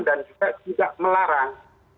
dan juga tidak melarang